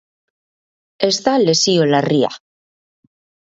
Ez da lesio larria.